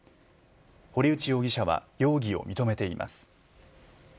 堀内容疑者は容疑を認めています。